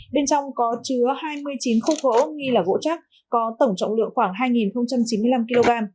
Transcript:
bên trong có chứa hai mươi chín khúc gỗ nghi là gỗ chắc có tổng trọng lượng khoảng hai chín mươi năm kg